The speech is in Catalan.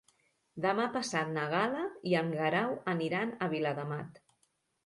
Demà passat na Gal·la i en Guerau aniran a Viladamat.